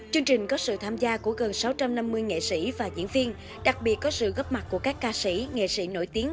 chương trình có sự tham gia của gần sáu trăm năm mươi nghệ sĩ và diễn viên đặc biệt có sự góp mặt của các ca sĩ nghệ sĩ nổi tiếng